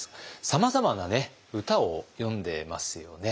さまざまな歌を詠んでますよね。